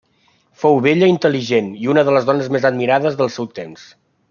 Fou bella i intel·ligent i una de les dones més admirades del seu temps.